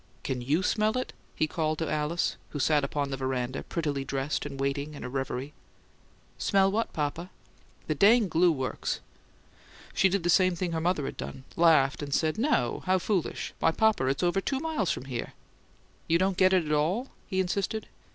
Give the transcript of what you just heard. "Can YOU smell it?" he called to Alice, who sat upon the veranda, prettily dressed and waiting in a reverie. "Smell what, papa?" "That dang glue works." She did the same thing her mother had done: laughed, and said, "No! How foolish! Why, papa, it's over two miles from here!" "You don't get it at all?" he insisted.